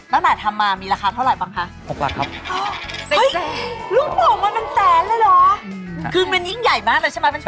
ตั้งแต่ทำมามีราคาเท่าไหร่บ้างคะ